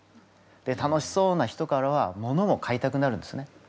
楽しそうな人からはものを買いたくなるんですね。